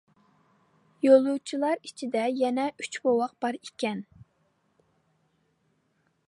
يولۇچىلار ئىچىدە يەنە ئۈچ بوۋاق بار ئىكەن.